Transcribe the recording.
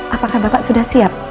apakah bapak sudah siap